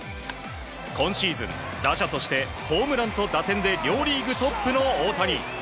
今シーズン、打者としてホームランと打点で両リーグトップの大谷。